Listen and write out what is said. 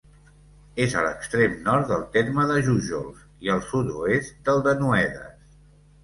És a l'extrem nord del terme de Jújols i al sud-oest del de Noedes.